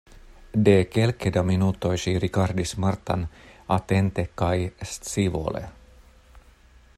De kelke da minutoj ŝi rigardis Martan atente kaj scivole.